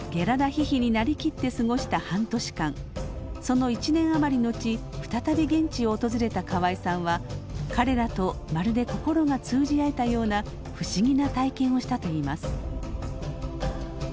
その１年あまり後再び現地を訪れた河合さんは彼らとまるで心が通じ合えたような不思議な体験をしたといいます。